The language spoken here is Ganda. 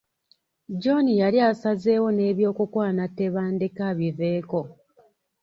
John yali asazeewo n’ebyokukwana Tebandeke abiveeko.